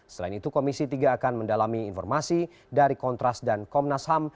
selain itu komisi tiga akan mendalami informasi dari kontras dan komnas ham